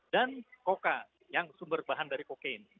dan coca yang sumber bahan dari cocaine